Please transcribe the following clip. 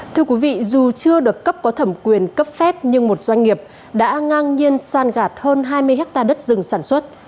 thưa quý vị dù chưa được cấp có thẩm quyền cấp phép nhưng một doanh nghiệp đã ngang nhiên san gạt hơn hai mươi hectare đất rừng sản xuất